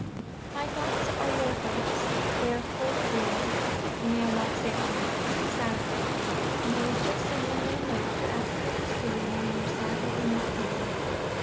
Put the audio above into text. _)... My thoughts are your thoughts; they are full of your may I not say our? sad affair. And I was just sending you a note to ask what was doing when your sad little note came.